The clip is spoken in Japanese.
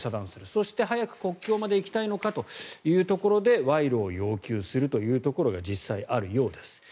そして、早く国境まで行きたいのかというところで賄賂を要求するというところが実際あるようです。